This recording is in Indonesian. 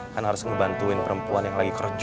kan harus ngebantuin perempuan yang lagi kerja